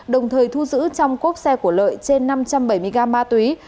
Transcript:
đồng thời thu giữ trong cốp xe của lợi trên năm trăm bảy mươi gram ma túy